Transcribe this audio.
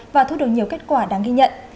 và thu được nhiều kết quả đáng ghi nhận